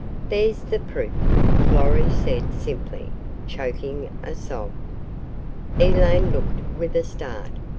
"There's the proof," Florrie said simply, choking a sob. Elaine looked with a start.